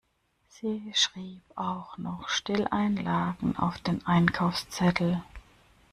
Sie schrieb auch noch Stilleinlagen auf den Einkaufszettel.